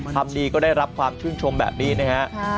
ทำดีก็ได้รับความชื่นชมแบบนี้นะฮะ